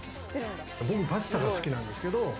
僕、パスタが好きなんですけれども。